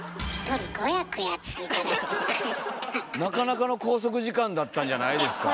なかなかの拘束時間だったんじゃないですか？